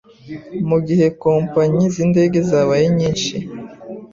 Mu gihe kompanyi z'indege zabaye nyinshi